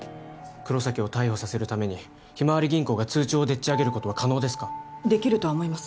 黒崎を逮捕させるためにひまわり銀行が通帳をでっち上げることは可能ですかできるとは思います